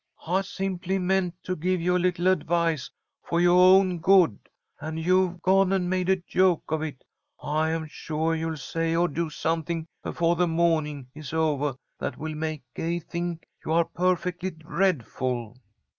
"I simply meant to give you a little advice for yoah own good, and you've gone and made a joke of it. I am suah you'll say or do something befoah the mawning is ovah that will make Gay think you are perfectly dreadful."